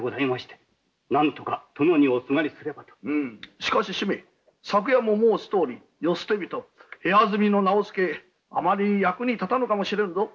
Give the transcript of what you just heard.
しかし主馬昨夜も申すとおり世捨て人部屋住みの直弼あまり役に立たぬかもしれぬぞ。